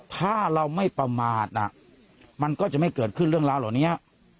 ถ้าเราไม่ประมาทมันก็จะไม่เกิดขึ้นเรื่องราวเหล่านี้